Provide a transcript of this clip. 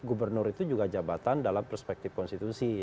gubernur itu juga jabatan dalam perspektif konstitusi